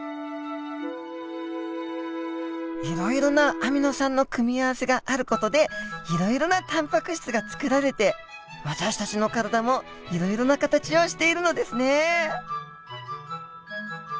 いろいろなアミノ酸の組み合わせがある事でいろいろなタンパク質がつくられて私たちの体もいろんな形をしているのですね。